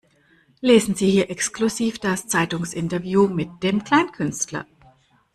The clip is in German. Lesen sie hier exklusiv das Zeitungsinterview mit dem Kleinkünstler!